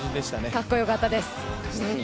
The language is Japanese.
かっこよかったです。